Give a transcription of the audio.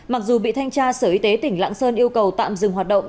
mặc dù bị thanh tra sở y tế tỉnh lạng sơn yêu cầu tạm dừng hoạt động